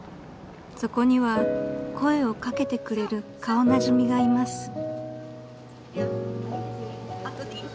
［そこには声を掛けてくれる顔なじみがいます］